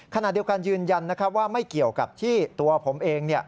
ขณะเดียวกันยืนยันว่าไม่เกี่ยวกับที่ตัวผมเอง